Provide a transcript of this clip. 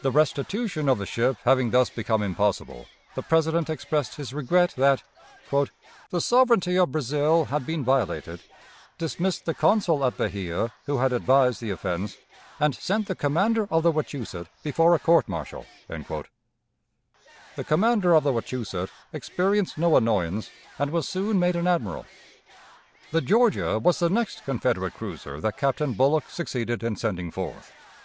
The restitution of the ship having thus become impossible, the President expressed his regret that "the sovereignty of Brazil had been violated; dismissed the consul at Bahia, who had advised the offense; and sent the commander of the Wachusett before a court martial." The commander of the Wachusett experienced no annoyance, and was soon made an admiral. The Georgia was the next Confederate cruiser that Captain Bullock succeeded in sending forth.